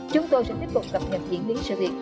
chúng tôi sẽ tiếp tục cập nhật diễn biến sự việc